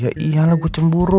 ya iyalah gua cemburu